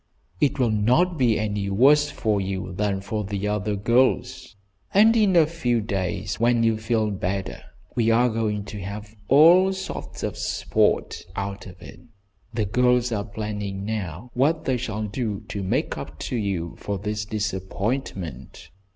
"It will not be any worse for you than for the other girls, and in a few days when you feel better we are going to have all sorts of sport out of it. The girls are planning now what they shall do to make up to you for this disappointment.